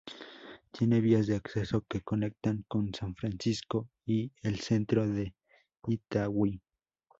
Tiene vías de acceso que conectan con San Francisco y el centro de Itagüí.